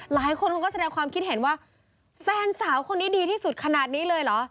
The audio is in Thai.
หลายคนก็แสดงความคิดเห็นว่าแฟนสาวคนนี้ดีที่สุดขนาดนี้เลยเหรอ